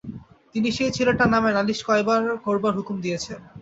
তিনি সেই ছেলেটার নামে নালিশ করবার হুকুম দিয়েছেন।